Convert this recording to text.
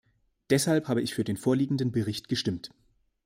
Deshalb habe ich für den vorliegenden Bericht gestimmt.